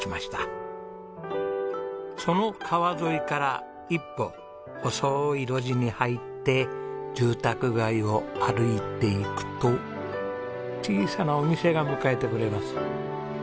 その川沿いから一歩細い路地に入って住宅街を歩いて行くと小さなお店が迎えてくれます。